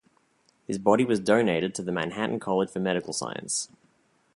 His body was donated to Manhattan College for medical science.